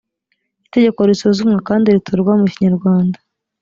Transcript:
itegeko risuzumwa kandi ritorwa mu kinyarwanda